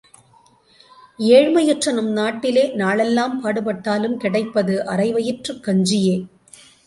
ஏழ்மையுற்ற நம் நாட்டிலே நாளெல்லாம் பாடுபட்டாலும் கிடைப்பது அரை வயிற்றுக் கஞ்சியே.